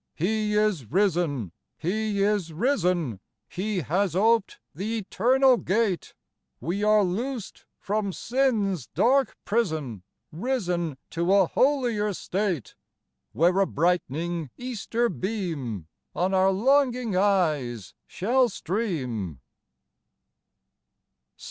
He is risen ! He is risen ! He has oped the eternal gate : We are loosed from sin's dark prison, Risen to a holier state, Where a brightening Easter beam On our longing eyes shall stream.